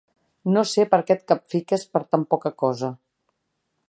No sé per què et capfiques per tan poca cosa.